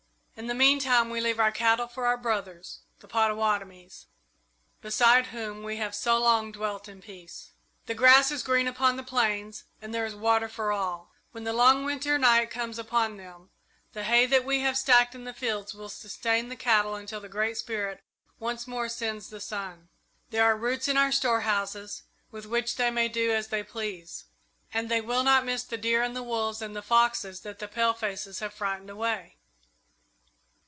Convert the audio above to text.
In the meantime, we leave our cattle for our brothers, the Pottawattomies, beside whom we have so long dwelt in peace. The grass is green upon the plains and there is water for all. When the long Winter night comes upon them, the hay that we have stacked in the fields will sustain the cattle until the Great Spirit once more sends the sun. There are roots in our storehouses with which they may do as they please, and they will not miss the deer and the wolves and the foxes that the palefaces have frightened away.